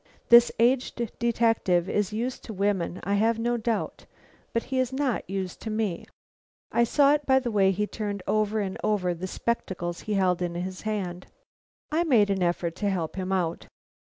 This aged detective is used to women, I have no doubt, but he is not used to me. I saw it by the way he turned over and over the spectacles he held in his hand. I made an effort to help him out.